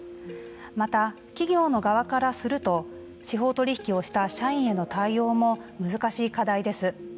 また、企業の側からすると司法取引をした社員への対応も難しい課題です。